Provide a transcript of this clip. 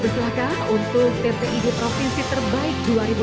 dpid provinsi terbaik dua ribu dua puluh satu